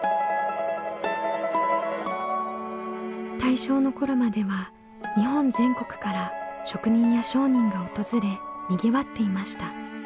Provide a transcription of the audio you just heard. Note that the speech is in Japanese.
大正の頃までは日本全国から職人や商人が訪れにぎわっていました。